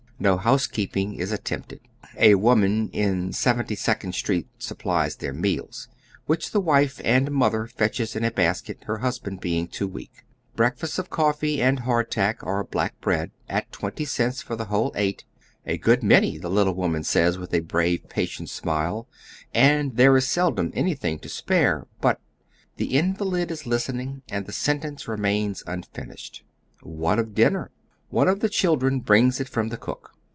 No housekeeping is at tempted. A woman in Seventy second Street supplies their meals, which the wife and mother fetches in a basket, her husband being too weak. Breakfast of coffee and hard tack, or black bread, at twenty cents for the whole eight ; a good many, the little woman says with a brave, patient smile, and there is seldom anything to spare, but——. The invaHd is listening, and the sentence remains unfinished. What of dinner? One of the chil dren brings it from tlie cook.